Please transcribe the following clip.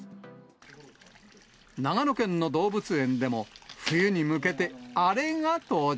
長野県の動物園でも、冬に向けて、あれが登場。